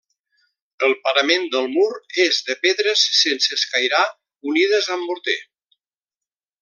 El parament del mur és de pedres sense escairar unides amb morter.